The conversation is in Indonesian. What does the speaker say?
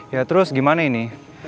ya terus gimana ini